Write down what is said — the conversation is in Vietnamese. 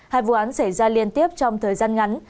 hai vụ án xảy ra liên tiếp trong thời gian ngắn